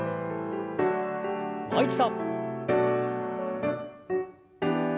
もう一度。